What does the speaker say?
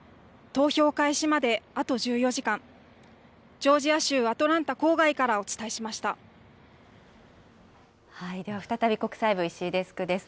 投票開始まであと１４時間、ジョージア州アトランタ郊外からお伝では再び、国際部、石井デスクです。